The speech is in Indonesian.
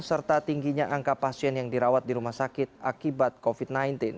serta tingginya angka pasien yang dirawat di rumah sakit akibat covid sembilan belas